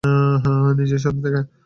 নিজের স্বরূপ দেখা!